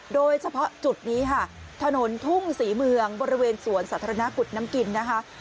โดยเฉพาะจุดนี้ค่ะถนนทุ่งศรีเมืองบริเวณสวนสาธารณะกุฎน้ำกินนะคะ